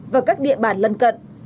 và các địa bàn lân cận